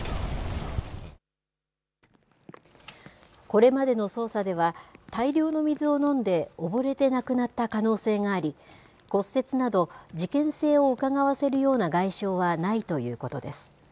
これまでの捜査では、大量の水を飲んで溺れて亡くなった可能性があり、骨折など、事件性をうかがわせるような外傷はないということです。